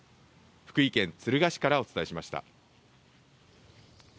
福井県敦賀市からお伝えしました。